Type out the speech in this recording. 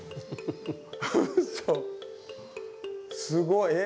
すごい。